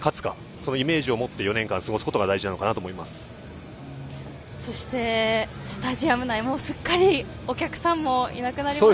そのイメージを持って４年間過ごすことが大事かなと思そして、スタジアム内、もうすっかりお客さんもいなくなりました。